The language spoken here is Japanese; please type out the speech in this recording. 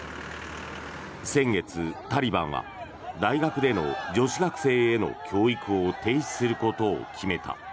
先月、タリバンは大学での女子学生への教育を停止することを決めた。